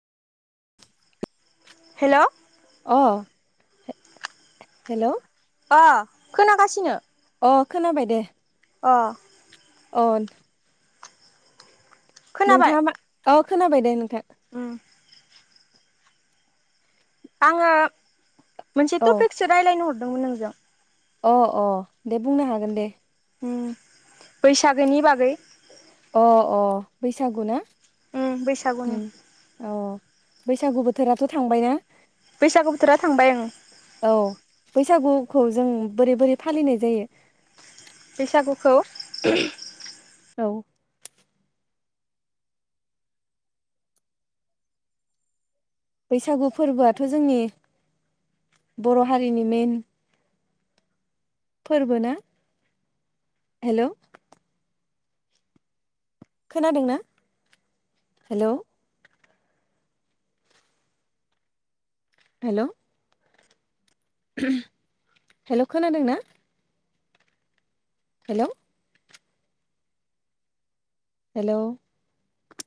[inaudible] हेल' अ हेलौ अ खोनागासिनो। अ खोनाबाय दे। अ अन खोनाबाय नोंथाङा मा अ खोनाबाय दे नोंथां। उम आङो मोनसे औ टपिकसो रायलायनो हरदोंमोन नोंजों। अ अ दे बुंनो हागोन दे। उम बैसागोनि बागै अ अ बैसागु ना उम बैसागुनि उम अ बैसागु बोथोराथ' थांबायना? बैसागु बोथोरा थांबाय ओं। औ बैसागुखौ जों बोरै बोरै फालिनाय जायो? बैसागुखौ औ बैसागु फोरबोआथ' जोंनि बर' हारिनि मेइन। फोर्बोना हेल'। खोनादोंना? हेल'। हेल' हेल' खोनादों ना? Hello hello